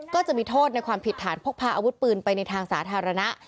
ก็จะมีโทษในความผิดฐานพกพาอาวุธปืนไปในทางสาธารณะ